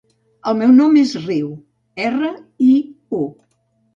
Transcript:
El meu nom és Riu: erra, i, u.